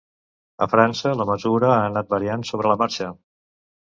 A França la mesura ha anat variant sobre la marxa.